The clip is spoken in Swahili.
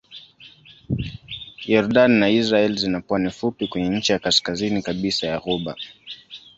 Yordani na Israel zina pwani fupi kwenye ncha ya kaskazini kabisa ya ghuba.